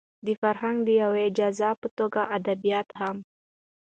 د فرهنګ د يوه جز په توګه ادبيات هم